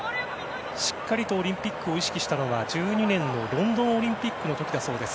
しっかりとオリンピックを意識したのは１２年のロンドンオリンピックの時だそうです。